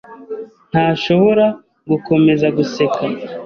ntashobora gukomeza guseka.